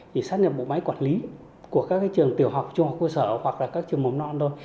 thì sát nhập bộ máy quản lý của các trường tiểu học trung học cơ sở hoặc là các trường mầm non thôi